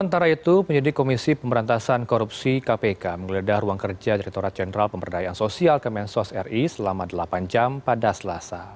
sementara itu penyidik komisi pemberantasan korupsi kpk menggeledah ruang kerja direkturat jenderal pemberdayaan sosial kemensos ri selama delapan jam pada selasa